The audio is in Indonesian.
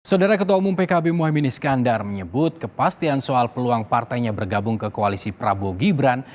saudara ketua umum pkb mohaimin iskandar menyebut kepastian soal peluang partainya bergabung ke koalisi prabowo gibran